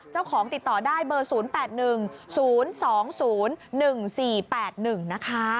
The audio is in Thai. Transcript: เจ้าของติดต่อได้เบอร์๐๘๑๐๒๐๑๔๘๑นะคะ